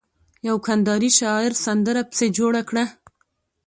يوه کنداري شاعر سندره پسې جوړه کړه.